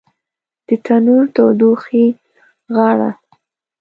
د تنور دوږخي غاړه